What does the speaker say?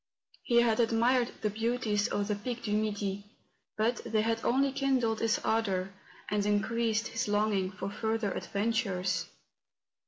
He had admired the beauties of the Pic du Midi; but they had only kindled his ardour and increased his longing for further adventures.